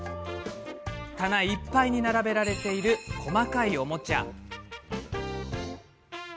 棚いっぱいに並べられている細かいおもちゃ。